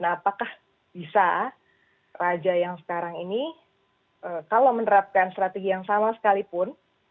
apakah bisa raja yang sekarang ini kalau menerapkan strategi yang sama sekalipun